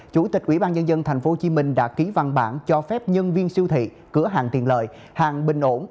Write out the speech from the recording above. chủ tịch ubnd tp hcm đã ký văn bản cho phép nhân viên siêu thị cửa hàng tiền lợi hàng bình ổn